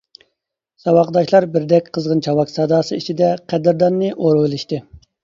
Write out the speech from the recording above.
ساۋاقداشلار بىردەك قىزغىن چاۋاك ساداسى ئىچىدە قەدىرداننى ئورىۋېلىشتى.